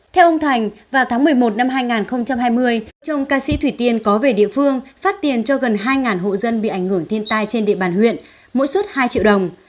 theo ông thành vào tháng một mươi một năm hai nghìn hai mươi chồng ca sĩ thủy tiên có về địa phương phát tiền cho gần hai hộ dân bị ảnh hưởng thiên tai trên địa bàn huyện mỗi suất hai triệu đồng